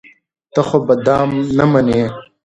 ته خو به دام نه منې.